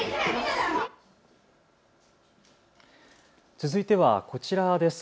続いてはこちらです。